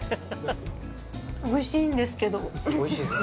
おいしいんですけど。